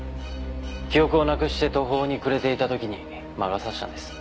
記憶をなくして途方に暮れていた時に魔が差したんです。